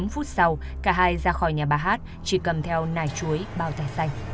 bốn phút sau cả hai ra khỏi nhà bà hát chỉ cầm theo nài chuối bao tải xanh